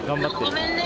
ごめんね。